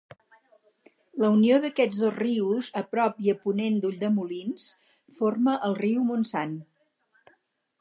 La unió d'aquests dos rius, a prop i a ponent d'Ulldemolins, forma el riu Montsant.